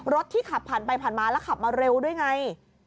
ที่ขับผ่านไปผ่านมาแล้วขับมาเร็วด้วยไง